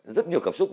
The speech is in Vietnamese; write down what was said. rất nhiều cảm xúc